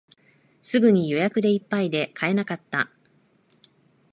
すぐに予約でいっぱいで買えなかった